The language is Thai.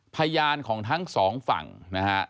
พยานของทั้งสองฝั่งนะฮะ